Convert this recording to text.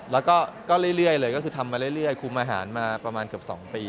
แล้วก็เรื่อยเลยก็คือทำมาเรื่อยคุมอาหารมาประมาณเกือบ๒ปี